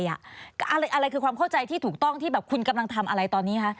อะไรคือความเข้าใจที่ถูกต้องที่แบบคุณกำลังทำอะไรตอนนี้คะ